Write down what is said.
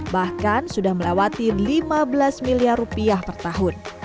bahkan sudah melewati lima belas miliar rupiah per tahun